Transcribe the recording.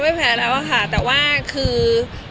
ไม่แพ้แล้วค่ะแต่ว่าคือ